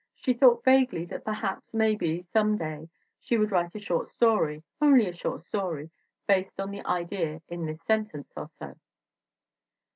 She thought vaguely that perhaps, maybe, some day, she ELEANOR H. PORTER 113 would write a short story only a short story based on the idea in this sentence or so.